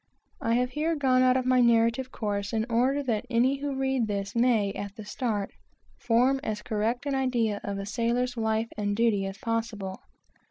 I have here gone out of my narrative course in order that any who read this may form as correct an idea of a sailor's life and duty as possible.